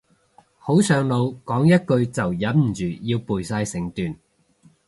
好上腦，講一句就忍唔住要背晒成段